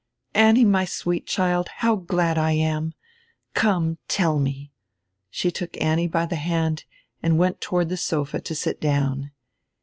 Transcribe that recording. "Annie, my sweet child, how glad I am! Come, tell me." She took Annie by die hand and went toward die sofa to sit down.